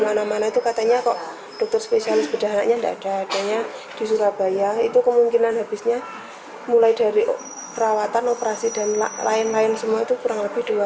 perawatan operasi dan lain lain semua itu kurang lebih dua ratus lima puluh